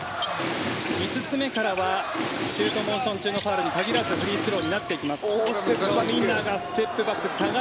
５つ目からはシュートモーション中のファウルに限らずフリースローになっていきます。